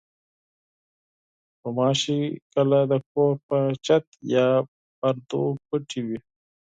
غوماشې کله د کور په چت یا پردو پټې وي.